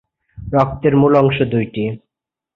রক্তের মূল অংশ দুইটি।